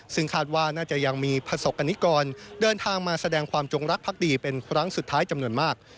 ซึ่งคาดว่าน่าจะยังมีประสบกรณิกรเดินทางมาแสดงความจงรักภักดีเป็นครั้งสุดท้ายจำนวนมาก